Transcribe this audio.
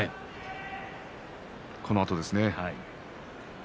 このあとですね。